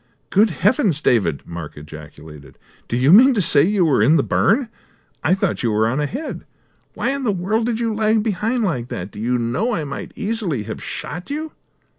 "Good heavens, David," Mark ejaculated, "do you mean to say you were in the burn? I thought you were on ahead! Why in the world did you lag behind like that? Do you know I might easily have shot you?"